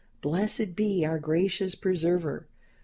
Blessed be our gracious Preserver!